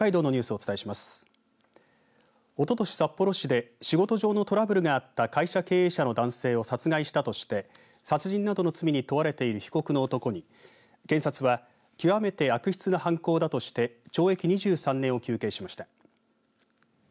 おととし札幌市で仕事上のトラブルがあった会社経営者の男性を殺害したとして殺人などの罪に問われている被告の男に警察は極めて悪質な犯行だとして懲役２３年を求刑しました。